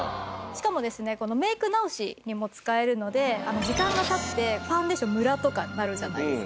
しかもですねメイク直しにも使えるので時間が経ってファンデーションムラとかなるじゃないですか。